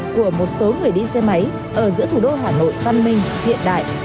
của một số người đi xe máy ở giữa thủ đô hà nội văn minh hiện đại